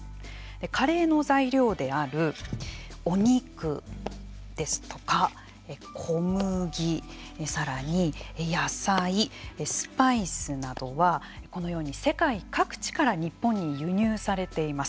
カレーの材料であるお肉ですとか、小麦さらに野菜、スパイスなどはこのように世界各地から日本に輸入されています。